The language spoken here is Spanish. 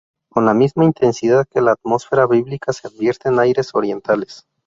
Con la misma intensidad que la atmósfera bíblica se advierten aires orientales.